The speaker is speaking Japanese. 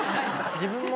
自分も。